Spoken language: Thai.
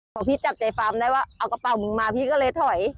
พอพี่จับใจฟาร์มได้ว่าเอากระเป๋ามึงมาพี่ก็เลยถอย